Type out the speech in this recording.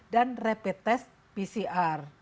dan rapid test pcr